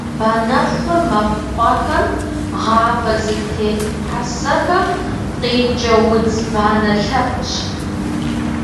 Банэхур мэкъупӏэхэм, гъавэ зытет хьэсэхэм къикӏэ удз банэ лъэпкъщ.